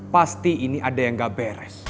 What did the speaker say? pasti ini ada yang gak beres